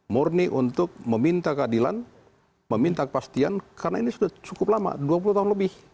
murni untuk meminta keadilan meminta kepastian karena ini sudah cukup lama dua puluh tahun lebih